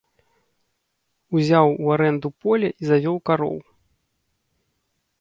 Узяў у арэнду поле і завёў кароў.